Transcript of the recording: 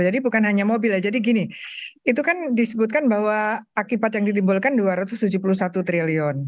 jadi gini itu kan disebutkan bahwa akibat yang ditimbulkan dua ratus tujuh puluh satu triliun